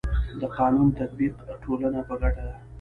د قانونو تطبیق د ټولني په ګټه دی.